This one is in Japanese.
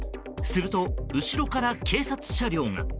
すると、後ろから警察車両が。